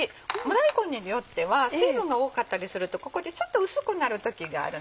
大根によっては水分が多かったりするとここでちょっと薄くなる時があるのね。